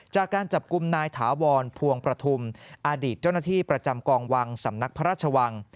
จากการจับกลุ่มนายถาวรพวงประทุมอดีตเจ้าหน้าที่ประจำกองวังสำนักพระราชวัง